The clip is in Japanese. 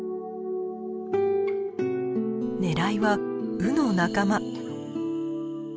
狙いはウの仲間。